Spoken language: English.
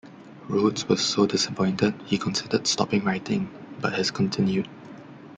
Rhodes was so disappointed he considered stopping writing, but has continued.